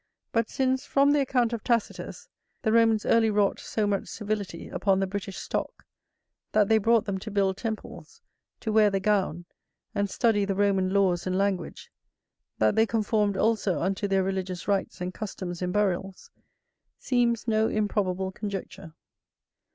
But since, from the account of Tacitus, the Romans early wrought so much civility upon the British stock, that they brought them to build temples, to wear the gown, and study the Roman laws and language, that they conformed also unto their religious rites and customs in burials, seems no improbable conjecture.